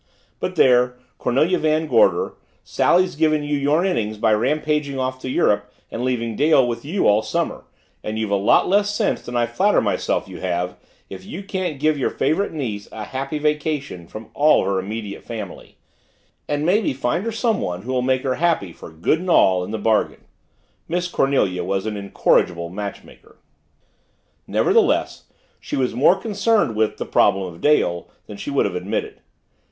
But there, Cornelia Van Gorder Sally's given you your innings by rampaging off to Europe and leaving Dale with you all summer and you've a lot less sense than I flatter myself you have, if you can't give your favorite niece a happy vacation from all her immediate family and maybe find her someone who'll make her happy for good and all in the bargain." Miss Cornelia was an incorrigible matchmaker. Nevertheless, she was more concerned with "the problem of Dale" than she would have admitted.